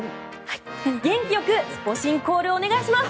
元気よくスポ神コールをお願いします。